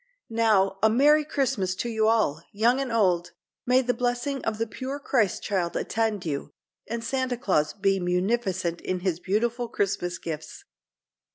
Now, a "Merry Christmas" to you all—young and old! May the blessing of the pure Christ child attend you, and Santa Claus be munificent in his beautiful Christmas gifts!